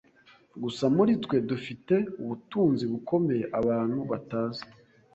gusa, muri twe dufite ubutunzi bukomeye abantu batazi